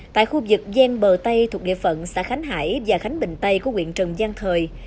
tại khu vực gian bờ tây thuộc địa phận xã khánh hải và khánh bình tây của quyện trần giang thời